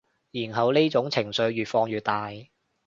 然後呢種情緒越放越大